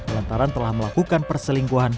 lantaran telah melakukan perselingkuhan